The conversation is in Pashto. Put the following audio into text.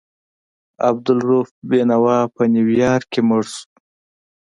عبدالرؤف بېنوا په نیویارک کې مړ شو.